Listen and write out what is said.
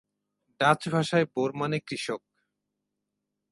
Dutch ভাষায় Boer মানে কৃষক।